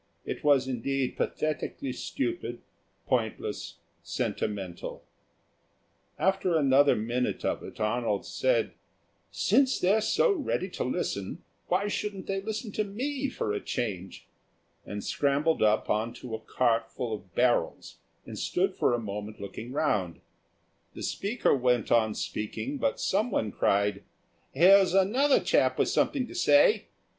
It was indeed pathetically stupid, pointless, sentimental. After another minute of it, Arnold said, "Since they're so ready to listen, why shouldn't they listen to me for a change?" and scrambled up on to a cart full of barrels and stood for a moment looking round. The speaker went on speaking, but someone cried, "Here's another chap with something to say.